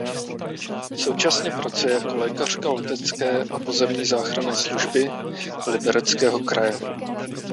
Současně pracuje jako lékařka letecké a pozemní záchranné služby Libereckého kraje.